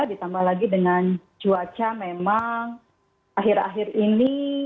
ditambah lagi dengan cuaca memang akhir akhir ini